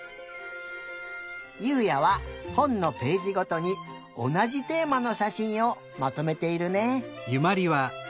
ゆうやはほんのページごとにおなじテーマのしゃしんをまとめているね。